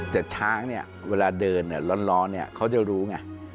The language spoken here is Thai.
แต่ช้างเนี่ยเวลาเดินร้อนเขาจะรู้ไง